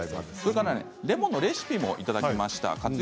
レモンレシピもいただきました。